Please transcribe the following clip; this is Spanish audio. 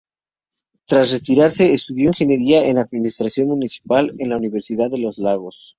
Tras retirarse, estudió Ingeniería en Administración Municipal en la Universidad de Los Lagos.